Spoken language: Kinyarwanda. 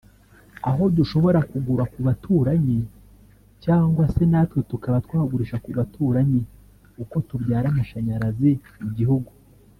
aho dushobora kugura ku baturanyi cyangwa se natwe tukaba twagurisha ku baturanyi […] Uko tubyara amashanyarazi mu gihugu